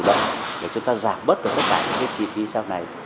động để chúng ta giảm bớt được tất cả những cái chi phí sau này